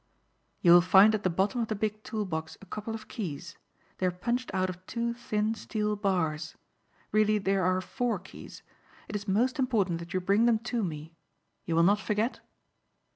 "You will find at the bottom of the big tool box a couple of keys. They are punched out of two thin steel bars. Really there are four keys. It is most important that you bring them to me. You will not forget?"